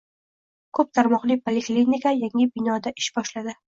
Ko‘p tarmoqli poliklinika yangi binodaish boshladi